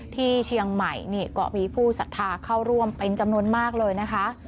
ที่เชียงใหม่นี่ก็มีผู้สัทธาเข้าร่วมเป็นจำนวนมากเลยนะคะ